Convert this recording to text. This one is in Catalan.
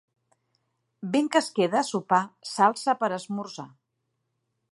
Vent que es queda a sopar, s'alça per esmorzar.